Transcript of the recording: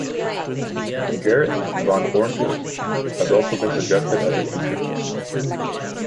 Gerrit van Honthorst has also been suggested as a teacher.